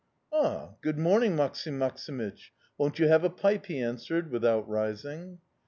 "'Ah, good morning, Maksim Maksimych! Won't you have a pipe?' he answered, without rising.